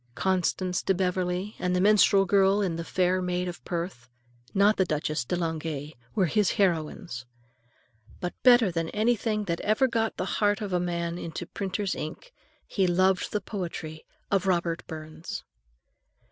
Constance de Beverley and the minstrel girl in "The Fair Maid of Perth," not the Duchesse de Langeais, were his heroines. But better than anything that ever got from the heart of a man into printer's ink, he loved the poetry of Robert Burns.